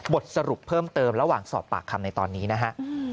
บทสรุปเพิ่มเติมระหว่างสอบปากคำในตอนนี้นะฮะ